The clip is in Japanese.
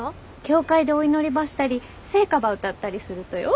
教会でお祈りばしたり聖歌ば歌ったりするとよ。